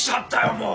もう！